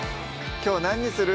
きょう何にする？